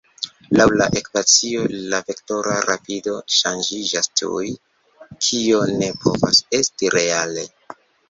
Laŭ la ekvacio, la vektora rapido ŝanĝiĝas tuj, kio ne povas esti reale.